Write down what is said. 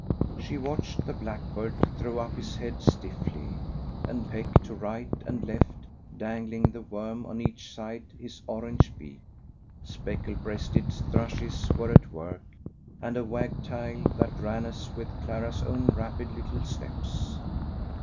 She watched the blackbird throw up his head stiffly, and peck to right and left, dangling the worm on each side his orange beak. Specklebreasted thrushes were at work, and a wagtail that ran as with Clara's own rapid little steps.